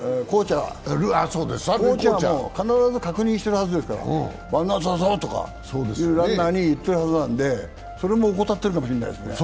コーチャーも必ず確認しているはずですからワンアウトだぞとか、ランナーに言ってるはずなのでそれも怠っているかもしれないですね。